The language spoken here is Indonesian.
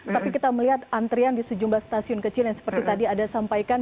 tapi kita melihat antrian di sejumlah stasiun kecil yang seperti tadi ada sampaikan